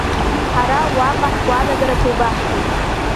Ҳара уаҟа ҳгәаанагарақәа еибаҳҳәеит.